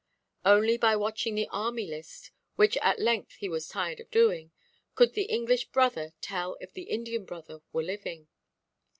Only by watching the Army List—which at length he was tired of doing—could the English brother tell if the Indian brother were living.